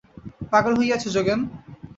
পাগল হইয়াছ যোগেন?